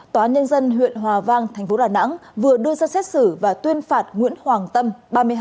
tòa nhân dân huyện hòa vang thành phố đà nẵng vừa đưa ra xét xử và tuyên phạt nguyễn hoàng tâm